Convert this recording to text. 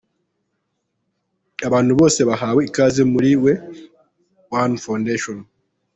Abantu bose bahawe ikaze muri We are one Foundation.